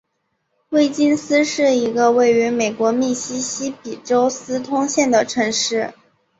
威金斯是一个位于美国密西西比州斯通县的城市。